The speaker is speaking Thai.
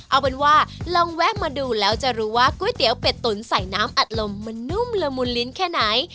เอาเป็นว่าลองแวะมาดูแล้วจะรู้ว่าก๋วยเตี๋ยวเป็ดตุ๋นใส่น้ำอัดลมมันนุ่มละมุนลิ้นแค่ไหน